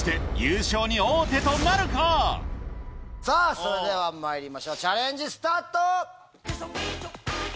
それではまいりましょうチャレンジスタート！